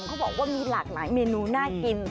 เขาบอกว่ามีหลากหลายเมนูน่ากิน